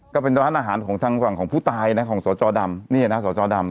ก็เป็นร้านอาหารของทางฝั่งของผู้ตายนะของสจดำนี่นะสจดำ